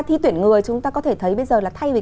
thi tuyển người chúng ta có thể thấy bây giờ là thay vì